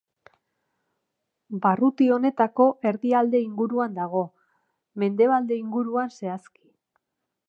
Barruti honetako erdialde inguruan dago, mendebalde inguruan, zehazki.